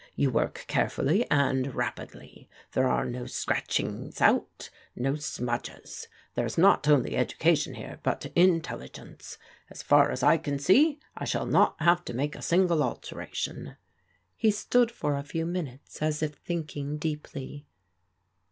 You work carefully and rapidly. There are no scratchings out ^o smudges. There is not only ^duca.\\ot^>aax^,\!8^ 338 PRODIGAL DAUGHTERS intelligence. As far as I can see, I shall not have to make a single alteration." He stood for a few minutes as if thinking deeply.